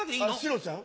シロちゃん？